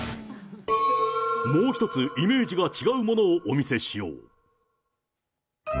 もう一つ、イメージが違うものをお見せしよう。